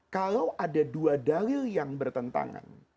kalau ada dua dalil yang bertentangan